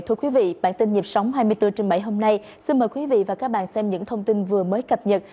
thưa quý vị bản tin nhịp sống hai mươi bốn trên bảy hôm nay xin mời quý vị và các bạn xem những thông tin vừa mới cập nhật